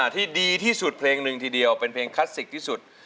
ที่ดีที่สุดเพลงหนึ่งทีเดียวเป็นเพลงคลาสสิกที่สุด